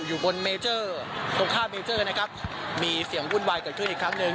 อยู่บนเมเจอร์ตรงข้ามเมเจอร์นะครับมีเสียงวุ่นวายเกิดขึ้นอีกครั้งหนึ่ง